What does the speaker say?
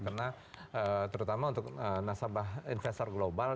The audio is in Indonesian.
karena terutama untuk nasabah investor global